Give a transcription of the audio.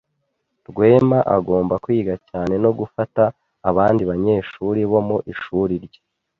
Rwema agomba kwiga cyane no gufata abandi banyeshuri bo mu ishuri rye.